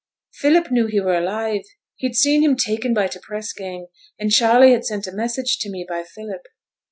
'Philip knew he were alive; he'd seen him taken by t' press gang, and Charley had sent a message to me by Philip.'